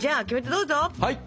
はい！